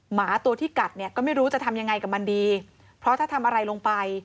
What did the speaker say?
หมาตัวที่กัดเนี่ยก็ไม่รู้จะทำยังไงกับมันดีเพราะถ้าทำอะไรลงไป